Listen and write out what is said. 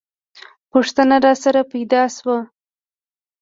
پوښتنه راسره پیدا شوه.